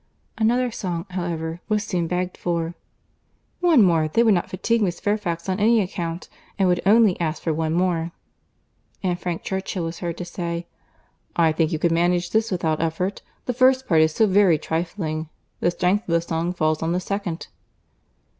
Another song, however, was soon begged for. "One more;—they would not fatigue Miss Fairfax on any account, and would only ask for one more." And Frank Churchill was heard to say, "I think you could manage this without effort; the first part is so very trifling. The strength of the song falls on the second."